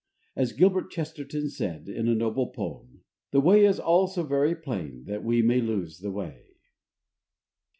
As Gilbert Chesterton said, in a noble poem: The way is all so very plain That we may lose the way.